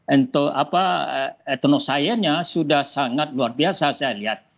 untuk etnosayennya sudah sangat luar biasa saya lihat